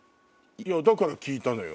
だから聞いたのよ。